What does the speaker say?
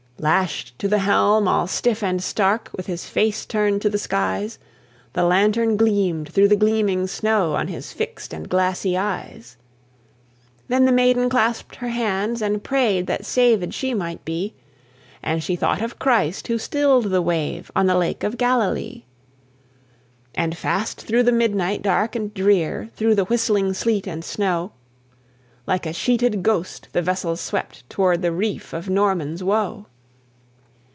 Lashed to the helm, all stiff and stark, With his face turned to the skies, The lantern gleamed through the gleaming snow On his fixed and glassy eyes. Then the maiden clasped her hands and prayed That savèd she might be; And she thought of Christ, who stilled the wave On the Lake of Galilee. And fast through the midnight dark and drear, Through the whistling sleet and snow, Like a sheeted ghost the vessel swept Toward the reef of Norman's Woe.